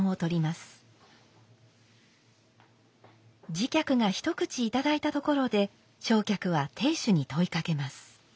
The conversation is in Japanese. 次客が一口いただいたところで正客は亭主に問いかけます。